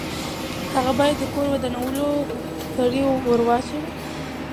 هغه باید د کور ودانولو هتکړۍ ورواچوي.